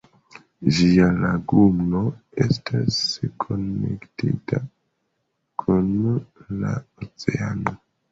Ĝia laguno estas konektita kun la oceano.